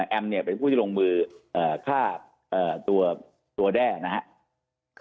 แอมเนี่ยเป็นผู้ที่ลงมือฆ่าตัวแด้นะฮะ